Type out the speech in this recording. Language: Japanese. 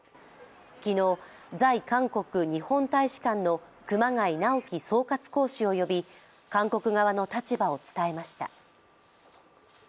昨日、在韓国日本大使館の熊谷直樹総括公使を呼び韓国側の立場を伝えました。